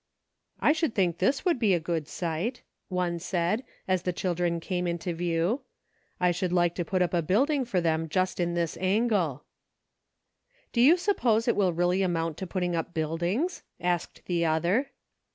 " I should think this would be a good site," one said, as the children came into view. "I should like to put up a building for them just in this angle." EIGHT AND TWELVE. II " Do you suppose it will really amount to put ting up buildings ?" asked the other.